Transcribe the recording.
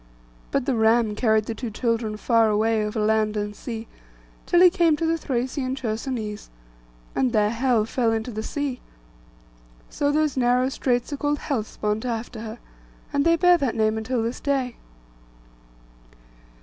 But the ram carried the two children far away over land and sea, till he came to the Thracian Chersonese, and there Helle fell into the sea. So those narrow straits are called 'Hellespont,' after her; and they bear that name until this day.